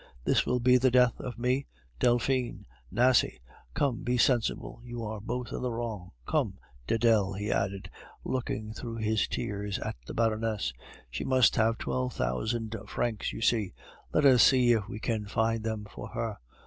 This will be the death of me! Delphine! Nasie! come, be sensible; you are both in the wrong. Come, Dedel," he added, looking through his tears at the Baroness, "she must have twelve thousand francs, you see; let us see if we can find them for her.